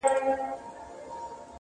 اشنا د بل وطن سړی دی٫